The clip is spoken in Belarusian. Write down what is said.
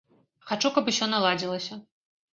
Хачу, каб усё наладзілася.